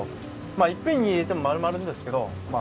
まあいっぺんに入れても丸まるんですけどま